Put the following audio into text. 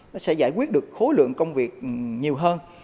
nó sẽ giải quyết được khối lượng công việc nhiều hơn